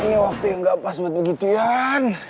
ini waktu yang gak pas buat begitu yan